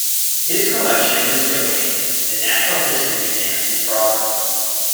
His collection was donated to the Natural History Museum in Prague.